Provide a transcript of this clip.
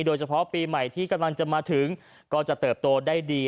โดยเฉพาะปีใหม่ที่กำลังจะมาถึงก็จะเติบโตได้ดี